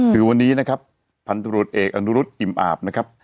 คือวันนี้นะครับพันธุรกิจเอกอนุรุษอิ่มอาบนะครับ